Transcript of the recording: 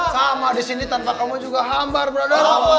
sama disini tanpa kamu juga hambar bray